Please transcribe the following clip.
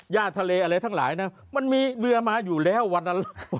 ทะเลอะไรทั้งหลายนะมันมีเรือมาอยู่แล้ววันนั้น